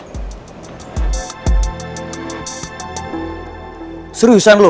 jadi kita harus berhenti menghadapi mereka